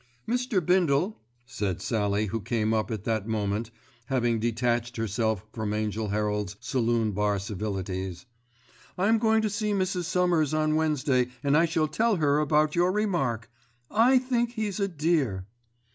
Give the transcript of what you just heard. "Mr. Bindle," said Sallie who came up at that moment, having detached herself from Angell Herald's saloon bar civilities, "I'm going to see Mrs. Somers on Wednesday and I shall tell her about your remark. I think he's a dear."